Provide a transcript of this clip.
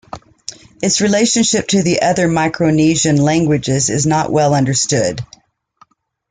Its relationship to the other Micronesian languages is not well understood.